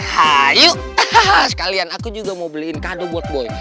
ha yuk sekalian aku juga mau beliin kado buat boy